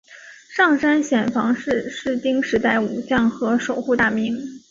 上杉显房是室町时代武将和守护大名。